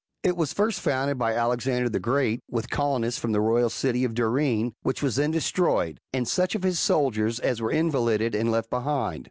It was first founded by Alexander the Great, with colonists from the royal city of Durine, which was then destroyed, and such of his soldiers as were invalided and left behind.